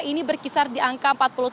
ini berkisar di angka empat puluh tujuh